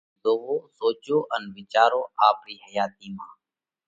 زوئو، سوچو ان وِيچارو آپرِي حياتِي مانه!